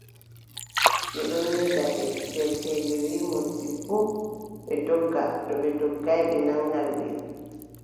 Ɓe ɗon meeda ɓe, derkeejo wii moodibbo, ɓe ndogga, to ɓe ndoggaay ɓe naŋgan ɓe.